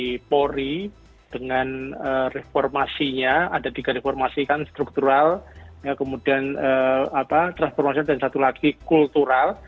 dari polri dengan reformasinya ada tiga reformasi kan struktural kemudian transformasi dan satu lagi kultural